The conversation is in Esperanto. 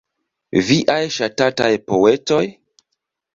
Viaj ŝatataj poetoj?